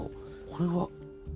これは。